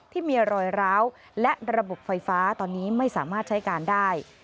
ที่มีรอยร้าวและระบบไฟฟ้าตอนนี้ไม่สามารถใช้การได้